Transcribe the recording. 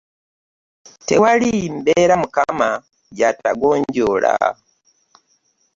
Tewali mbeera mukama gyatagonjoola.